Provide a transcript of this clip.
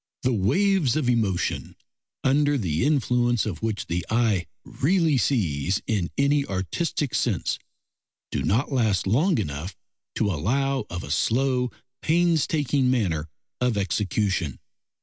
The waves of emotion, under the influence of which the eye really sees in any artistic sense, do not last long enough to allow of a slow, painstaking manner of execution.